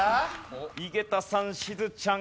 井桁さんしずちゃん